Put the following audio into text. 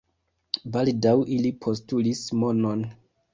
Baldaŭ ili postulis monon.